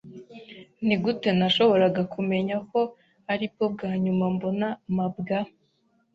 Nigute nashoboraga kumenya ko aribwo bwa nyuma mbona mabwa?